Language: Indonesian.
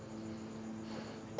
kamu mau pergi kerja